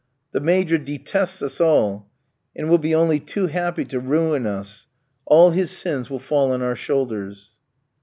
The Major detests us all, and will be only too happy to ruin us; all his sins will fall on our shoulders."